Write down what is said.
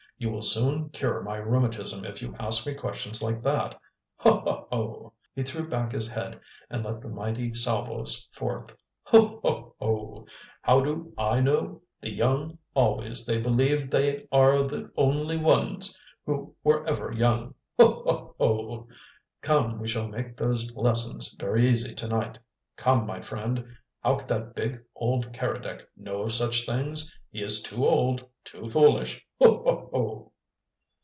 "You will soon cure my rheumatism if you ask me questions like that! Ho, ho, ho!" He threw back his head and let the mighty salvos forth. "Ho, ho, ho! How do I know? The young, always they believe they are the only ones who were ever young! Ho, ho, ho! Come, we shall make those lessons very easy to night. Come, my friend! How could that big, old Keredec know of such things? He is too old, too foolish! Ho, ho, ho!"